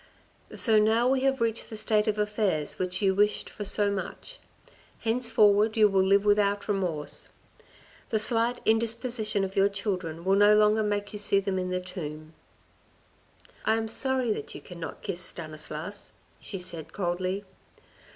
" So now we have reached the state of affairs which you wished for so much. Henceforward you will live without remorse. The slightest indisposition of your children will no longer make you see them in the tomb." " I am sorry that you cannot kiss Stanislas," she said coldly.